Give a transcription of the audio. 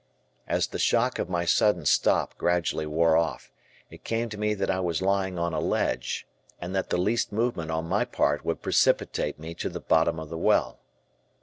As the shock of my sudden stop gradually wore off, it came to me that I was lying on a ledge and that the least movement on my part would precipitate me to the bottom of the well.